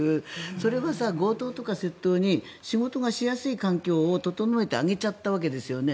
それは強盗とか窃盗に仕事がしやすい環境に整えてあげちゃったわけですよね。